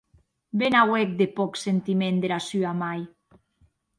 Be n’auec de pòc sentiment dera sua mair!